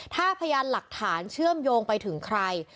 ถ้าพยานหลักฐานเชื่อมโยงไปถึงใคร